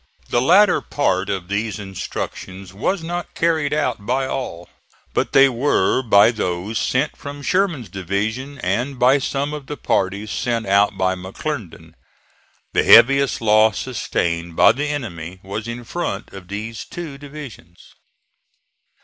The latter part of these instructions was not carried out by all; but they were by those sent from Sherman's division, and by some of the parties sent out by McClernand. The heaviest loss sustained by the enemy was in front of these two divisions.